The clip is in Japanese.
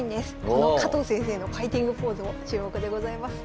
この加藤先生のファイティングポーズも注目でございます。